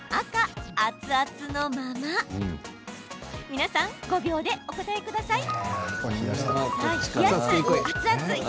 皆さん、５秒でお答えください。